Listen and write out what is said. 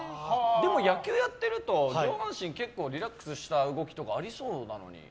でも、野球をやっていると上半身でもリラックスした動きとかありそうなのに。